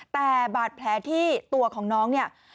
แต่บาดแผลที่ตัวของน้องเนี่ย